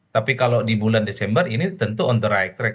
tapi kalau di bulan desember ini tentu on the right track